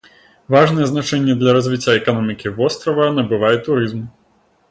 Важнае значэнне для развіцця эканомікі вострава набывае турызм.